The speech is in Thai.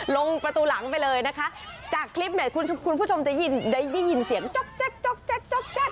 ลงประตูหลังไปเลยนะคะจากคลิปเนี่ยคุณผู้ชมจะได้ยินเสียงจ๊อกแก๊กจ๊อกแก๊กจ๊อกแก๊ก